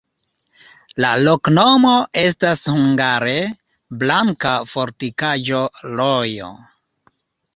La loknomo estas hungare: blanka-fortikaĵo-rojo.